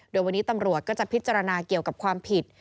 โดยวันนี้ตำรวจก็จะพิจารณาเกี่ยวกับความผิด